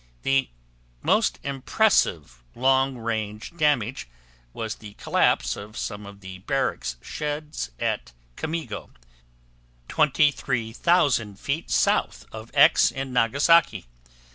The most impressive long range damage was the collapse of some of the barracks sheds at Kamigo, 23,000 feet south of X in Nagasaki.